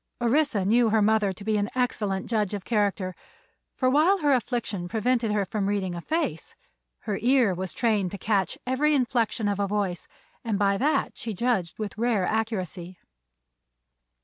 Orissa knew her mother to be an excellent judge of character, for while her affliction prevented her from reading a face her ear was trained to catch every inflection of a voice, and by that she judged with rare accuracy.